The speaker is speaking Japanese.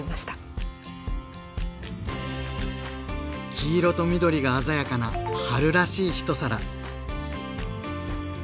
黄色と緑が鮮やかな春らしい一皿。